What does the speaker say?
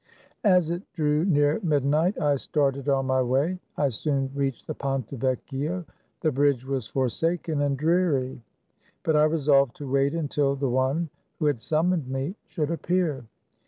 As it drew near midnight, I started on my way. I soon reached the Ponte Yecchio. The bridge was forsaken and dreary, but I resolved to wait until the one who had summoned me should appear.